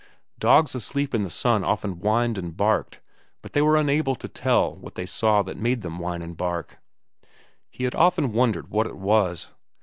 Dogs asleep in the sun often whined and barked, but they were unable to tell what they saw that made them whine and bark. He had often wondered what it was.